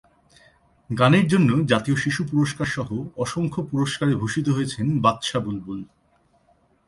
গানের জন্য জাতীয় শিশু পুরস্কারসহ অসংখ্য পুরস্কারে ভূষিত হয়েছেন বাদশা বুলবুল।